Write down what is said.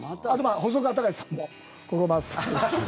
細川たかしさんもここ真っすぐ。